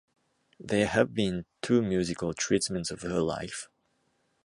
There have been two musical treatments of her life.